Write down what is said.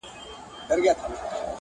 شپه او ورځ یې پر خپل ځان باندي یوه کړه!!